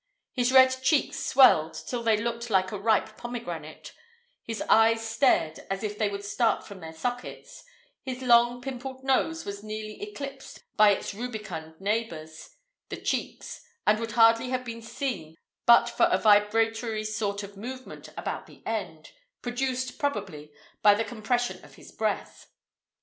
His red cheeks swelled till they looked like a ripe pomegranate; his eyes stared as if they would start from their sockets; his long, pimpled nose was nearly eclipsed by its rubicund neighbours, the cheeks, and would hardly have been seen but for a vibratory sort of movement about the end, produced, probably, by the compression of his breath.